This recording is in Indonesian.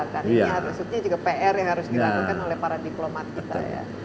karena ini harusnya juga pr yang harus dilakukan oleh para diplomat kita